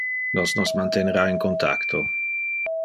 Nos nos mantenera in contacto.